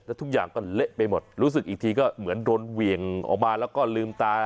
แล้วทุกอย่างก็เละไปหมดรู้สึกอีกทีก็เหมือนโดนเหวี่ยงออกมาแล้วก็ลืมตา